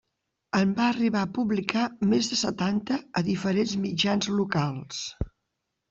En va arribar a publicar més de setanta a diferents mitjans locals.